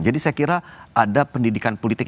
saya kira ada pendidikan politik